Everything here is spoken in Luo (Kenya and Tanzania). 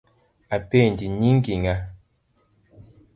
Apenji, nyingi ng’a ?